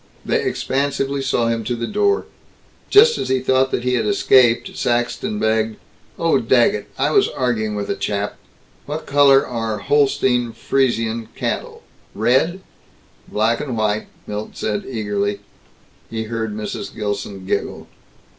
They expansively saw him to the door. Just as he thought that he had escaped, Saxton begged, "Oh, Daggett, I was arguing with a chap What color are Holstein Friesian cattle? Red?" "Black and white," Milt said eagerly. He heard Mrs. Gilson giggle.